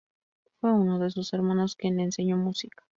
Fue uno de sus hermanos quien le enseñó música.